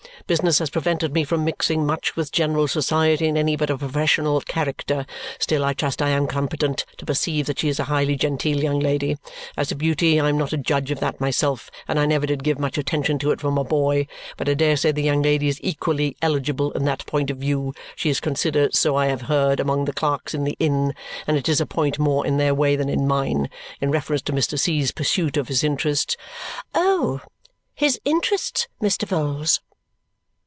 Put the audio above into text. Business has prevented me from mixing much with general society in any but a professional character; still I trust I am competent to perceive that she is a highly genteel young lady. As to beauty, I am not a judge of that myself, and I never did give much attention to it from a boy, but I dare say the young lady is equally eligible in that point of view. She is considered so (I have heard) among the clerks in the Inn, and it is a point more in their way than in mine. In reference to Mr. C.'s pursuit of his interests " "Oh! His interests, Mr. Vholes!"